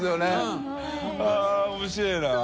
△面白いな。